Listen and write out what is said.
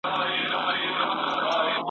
په لومړۍ ورځ چي ځالۍ دي جوړوله `